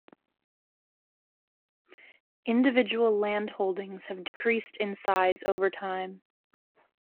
Individual land holdings have decreased in size over time.